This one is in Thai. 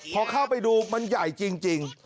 พอเข้าไปดูมันใหญ่จริง